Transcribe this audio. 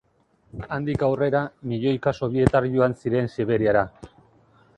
Handik aurrera, milioika sobietar joan ziren Siberiara.